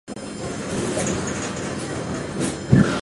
邻苯二胺由邻硝基苯胺的硫化钠还原或催化氢化还原得到。